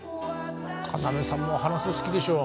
要さんも話すの好きでしょ。